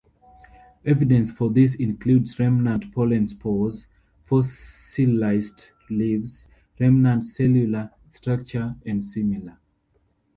Evidence for this includes remnant pollen spores, fossilised leaves, remnant cellular structure and similar.